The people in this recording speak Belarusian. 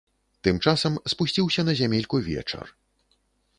Тым часам спусціўся на зямельку вечар.